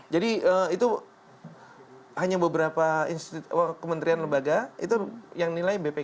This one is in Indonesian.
jadi itu hanya beberapa kementerian lembaga itu yang nilai bpk